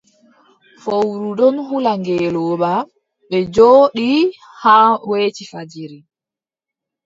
Fowru ɗon hula ngeelooba, ɓe njooɗi haa weeti fajiri.